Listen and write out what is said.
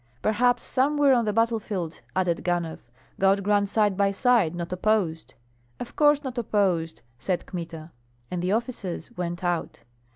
"Perhaps somewhere on the battlefield," added Ganhoff. "God grant side by side, not opposed." "Of course not opposed," said Kmita. And the officers went out.